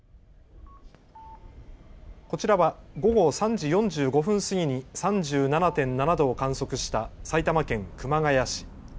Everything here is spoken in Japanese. こちらは午後３時４５分過ぎに３７．７度を観測した埼玉県熊谷市。